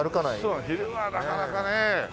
そうね昼はなかなかねえ。